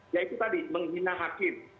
yaitu tadi menghina hakim